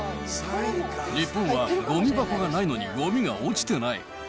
日本はごみ箱がないのにごみが落ちてない。